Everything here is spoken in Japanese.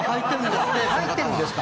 入ってるんですか！